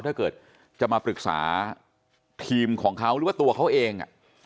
ถ้าเกิดจะมาปรึกษาทีมของเขาหรือว่าตัวเขาเอง